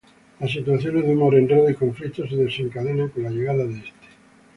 Las situaciones de humor, enredos y conflictos se desencadenan, con la llegada de este.